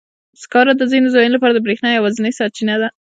سکاره د ځینو ځایونو لپاره د برېښنا یوازینی سرچینه ده.